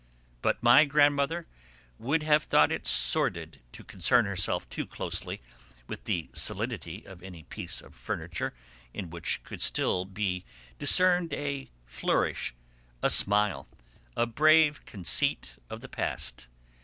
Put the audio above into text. But my grandmother would have thought it sordid to concern herself too closely with the solidity of any piece of furniture in which could still be discerned a flourish, a smile, a brave conceit of the past.